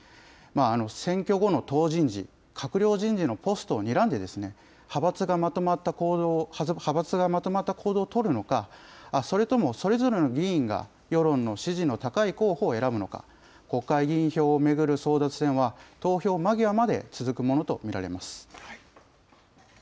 選挙後の党人事、閣僚人事のポストをにらんで、派閥がまとまった行動を取るのか、それともそれぞれの議員が世論の支持の高い候補を選ぶのか、国会議員票を巡る争奪戦は、投票間際まで続くものと見られます。